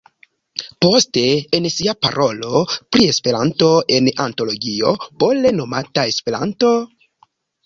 Poste en sia parolo pri Esperanto en antologio pole nomata "Esperanto?